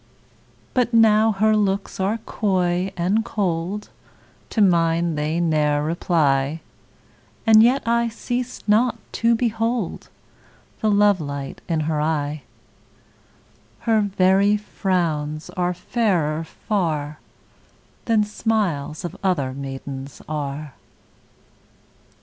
But now her looks are coy and cold, To mine they ne'er reply, And yet I cease not to behold The love light in her eye: 10 Her very frowns are fairer far Than smiles of other maidens are.